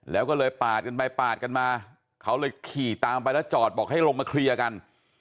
แล้วก็เลยปาดกันไปปาดกันมาเขาเลยขี่ตามไปแล้วจอดบอกให้ลงมาเคลียร์กัน